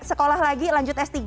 sekolah lagi lanjut s tiga